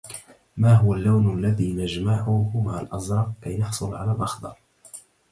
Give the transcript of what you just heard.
ما هو اللّون الذي نجمعه مع الأزرق كي نحصل على الأخضر؟